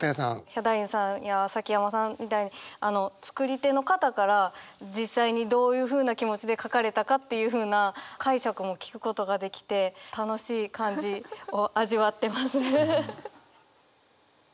ヒャダインさんや崎山さんみたいに作り手の方から実際にどういうふうな気持ちで書かれたかっていうふうな解釈も聞くことができて楽しい感じを味わってます。